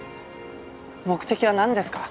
目的はなんですか？